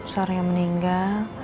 suara yang meninggal